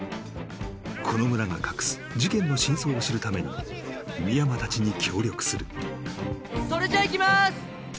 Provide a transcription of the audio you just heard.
この村が隠す事件の真相を知るために深山達に協力するそれじゃあいきまーす！